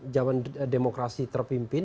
zaman demokrasi terpimpin